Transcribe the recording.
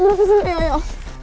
berarti sini yoyo